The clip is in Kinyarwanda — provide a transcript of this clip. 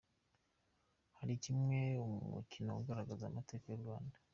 Hakinwe umukino ugaragaza amateka y'u Rwanda.